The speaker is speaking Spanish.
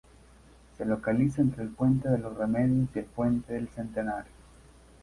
Se localiza entre el puente de los Remedios y el puente del Centenario.